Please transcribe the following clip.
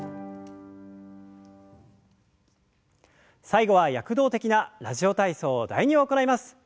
最後は躍動的な「ラジオ体操第２」を行います。